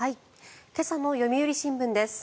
今朝の読売新聞です。